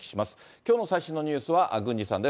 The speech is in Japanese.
きょうの最新のニュースは郡司さんです。